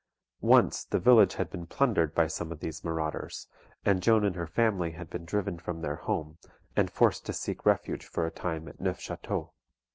Once the village had been plundered by some of these marauders, and Joan and her family had been driven from their home, and forced to seek refuge for a time at Neufchateau.